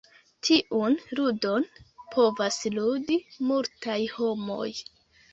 Tiun "ludon" povas "ludi" multaj homoj.